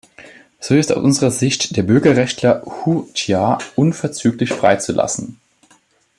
So ist aus unserer Sicht der Bürgerrechtler Hu Jia unverzüglich freizulassen.